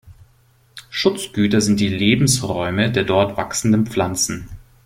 Schutzgüter sind die Lebensräume der dort wachsenden Pflanzen.